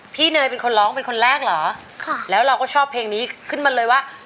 พี่เนยเป็นคนร้องเป็นคนแรกเหรอ